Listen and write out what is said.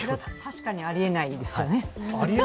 確かにありえないですよね。